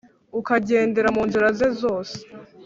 ukagendera mu nzira ze zose